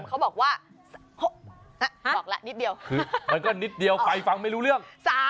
เขาบอกว่านิดเดียวมันก็นิดเดียวฟัยฟังไม่รู้เรื่อง